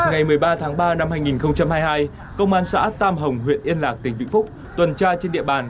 ngày một mươi ba tháng ba năm hai nghìn hai mươi hai công an xã tam hồng huyện yên lạc tỉnh vĩnh phúc tuần tra trên địa bàn